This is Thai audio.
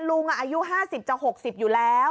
ลุงอายุ๕๐จะ๖๐อยู่แล้ว